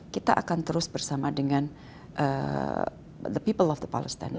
kita akan terus bersama dengan the people of the palestine